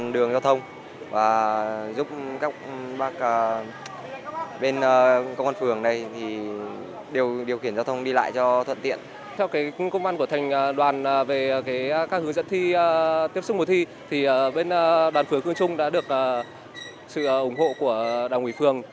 đoàn phường cương trung đã được sự ủng hộ của đồng ủy phường